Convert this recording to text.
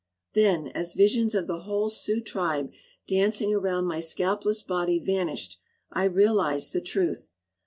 Then, as visions of the whole Sioux tribe dancing around my scalpless body vanished, I realized the truth.